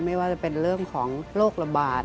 ไม่ว่าจะเป็นเรื่องของโรคระบาด